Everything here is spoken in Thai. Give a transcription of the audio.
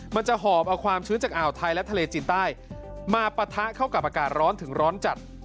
มันจะหอบเอาความชื้นจากอ่าวไทยและทะเลจีนใต้มาปะทะเข้ากับอากาศร้อนถึงร้อนจัด